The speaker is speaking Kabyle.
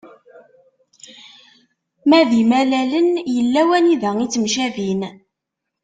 Ma d imalalen, yella wanida i temcabin.